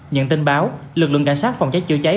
nhận tin báo lực lượng cảnh sát phòng cháy chữa cháy